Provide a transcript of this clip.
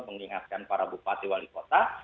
mengingatkan para bupati wali kota